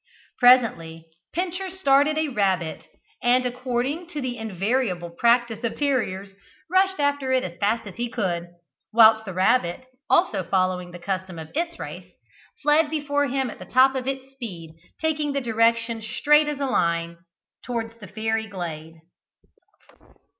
Presently Pincher started a rabbit, and, according to the invariable practice of terriers, rushed after it as fast as he could; whilst the rabbit, also following the custom of its race, fled before him at the top of its speed, taking the direction straight as a line towards the fairy glade.